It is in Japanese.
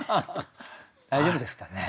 大丈夫ですかね？